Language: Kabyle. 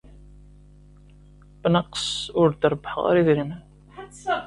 Bnaqes, ur d-rebbḥeɣ ara idrimen.